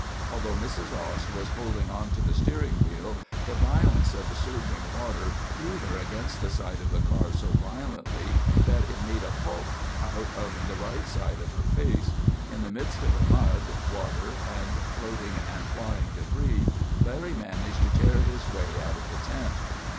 Although Mrs. Ost was holding onto the steering wheel, the violence of the surging water threw her against the side of the car so violently that it made a pulp out of the right side of her face. In the midst of the mud, water, and floating and flying debris, Larry managed to tear his way out of the tent.